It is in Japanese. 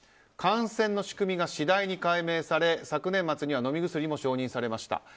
感染の仕組みが次第に解明され昨年末には飲み薬も承認されました。